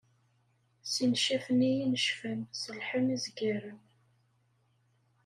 Si ncaf-nni i necfen, ṣelḥen izgaren.